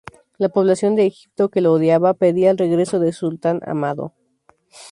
La población de Egipto que lo odiaba, pedía el regreso de su sultán amado.